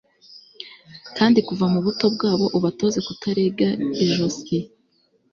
kandi kuva mu buto bwabo, ubatoze kutarega ijosi